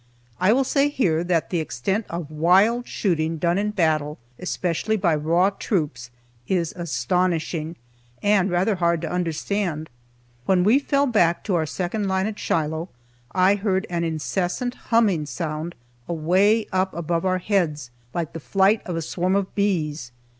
I will say here that the extent of wild shooting done in battle, especially by raw troops, is astonishing, and rather hard to understand. When we fell back to our second line at Shiloh, I heard an incessant humming sound away up above our heads, like the flight of a swarm of bees.